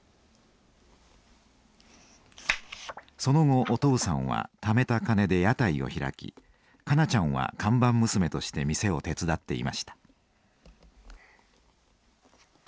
その後お父さんは貯めた金で屋台を開き香菜ちゃんは看板娘として店を手伝っていました。